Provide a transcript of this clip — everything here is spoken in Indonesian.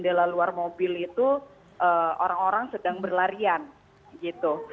bendela luar mobil itu orang orang sedang berlarian gitu